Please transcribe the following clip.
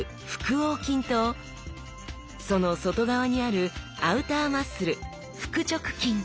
横筋とその外側にあるアウターマッスル腹直筋